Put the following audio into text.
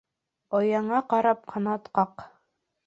Ояңа ҡарап ҡанат ҡаҡ.